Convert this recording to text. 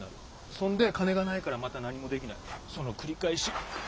そんで金がないからまた何もできないその繰り返し。